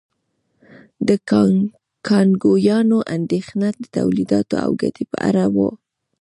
د کانګویانو اندېښنه د تولیداتو او ګټې په اړه وه.